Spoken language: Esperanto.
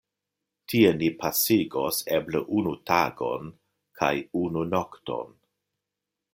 Tie ni pasigos eble unu tagon kaj unu nokton.